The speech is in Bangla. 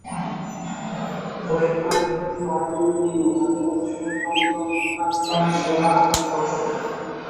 প্রশিক্ষণের গতি বাড়ানোর জন্য তাদের অবশ্যই প্রাক্তন সেনা হতে হবে।